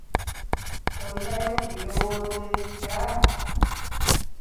Olinayo ku birowoozo ebipya?